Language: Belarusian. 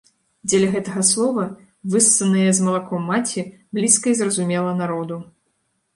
Дзеля гэтага слова, выссанае з малаком маці, блізка і зразумела народу.